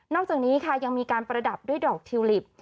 จากนี้ค่ะยังมีการประดับด้วยดอกทิวลิป